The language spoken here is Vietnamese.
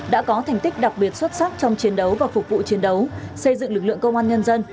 đã có thành tích đặc biệt xuất sắc trong chiến đấu và phục vụ chiến đấu xây dựng lực lượng công an nhân dân